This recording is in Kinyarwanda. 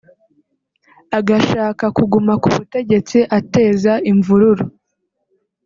agashaka kuguma ku butegetsi ateza imvururu